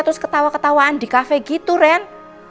terus ketawa ketawaan di kafe gitu ren